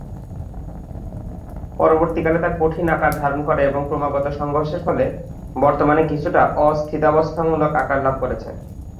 পরবর্তীকালে তা কঠিন আকার ধারণ করে এবং ক্রমাগত সংঘর্ষের ফলে বর্তমানে কিছুটা অ-স্থিতাবস্থামূলক আকার লাভ করেছে।